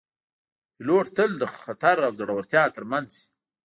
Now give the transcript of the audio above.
پیلوټ تل د خطر او زړورتیا ترمنځ وي